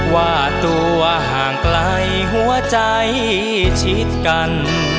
ว่าตัวห่างไกลหัวใจชิดกัน